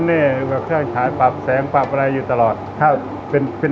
สวัสดีครับผมชื่อสามารถชานุบาลชื่อเล่นว่าขิงถ่ายหนังสุ่นแห่ง